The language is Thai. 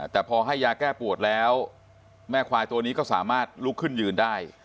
แต่พอให้ยาแก้ปวดแล้วแม่ควายตัวนี้ก็สามารถลุกขึ้นยืนได้